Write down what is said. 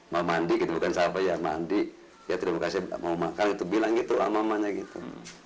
mau mandi bukan capek ya mandi ya terima kasih mau makan bilang gitu sama ibu